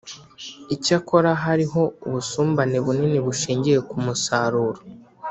icyakora hariho ubusumbane bunini bushingiye ku musaruro